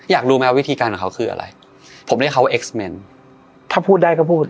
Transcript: อยากรู้ไหมว่าวิธีการของเขาคืออะไรผมเรียกเขาเอ็กซ์เมนถ้าพูดได้ก็พูด